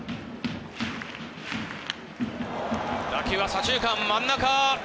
打球は左中間真ん中。